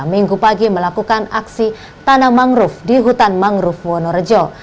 minggu pagi melakukan aksi tanah mangrove di hutan mangrove wonorejo